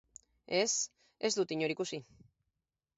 Ez, ez dut inor ikusi.